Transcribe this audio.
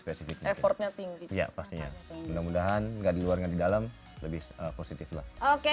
spesifik effortnya tinggi ya pastinya mudah mudahan enggak diluar nggak di dalam lebih positif oke